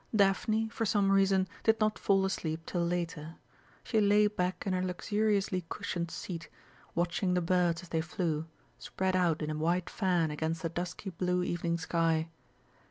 Daphne, for some reason, did not fall asleep till later. She lay back in her luxuriously cushioned seat, watching the birds as they flew, spread out in a wide fan against the dusky blue evening sky.